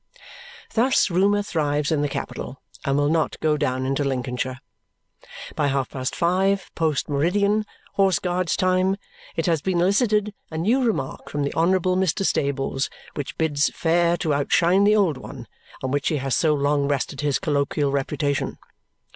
Thus rumour thrives in the capital, and will not go down into Lincolnshire. By half past five, post meridian, Horse Guards' time, it has even elicited a new remark from the Honourable Mr. Stables, which bids fair to outshine the old one, on which he has so long rested his colloquial reputation.